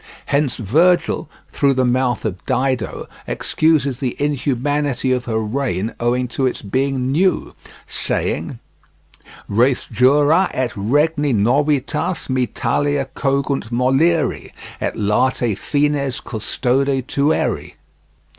Hence Virgil, through the mouth of Dido, excuses the inhumanity of her reign owing to its being new, saying: "Res dura, et regni novitas me talia cogunt Moliri, et late fines custode tueri."